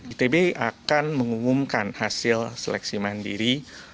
itb akan mengumumkan hasil seleksi mandiri